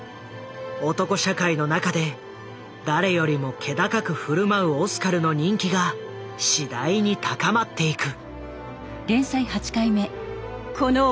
男社会の中で誰よりも気高く振る舞うオスカルの人気が次第に高まっていく。